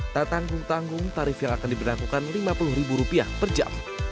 tak tanggung tanggung tarif yang akan diberlakukan rp lima puluh per jam